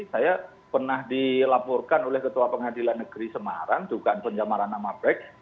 saya pernah dilaporkan oleh ketua pengadilan negeri semarang dugaan pencemaran nama baik